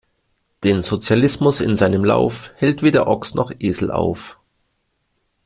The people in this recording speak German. Den Sozialismus in seinem Lauf, hält weder Ochs noch Esel auf!